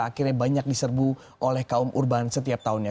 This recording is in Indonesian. akhirnya banyak diserbu oleh kaum urban setiap tahunnya